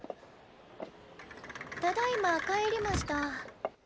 ただいま帰りました。